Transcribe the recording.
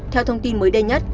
theo thông tin mới đây nhất